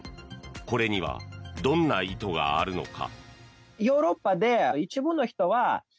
これにはどんな意図があるのか。